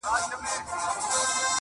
پاچا ورغى د خپل بخت هديرې ته!!